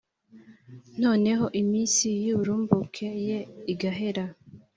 noneho iminsi y’uburumbuke ye igahera